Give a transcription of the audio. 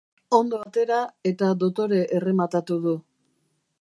Ondo atera eta dotore errematatu du.